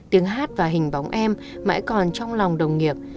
tiếng hát và hình bóng em mãi còn trong lòng đồng nghiệp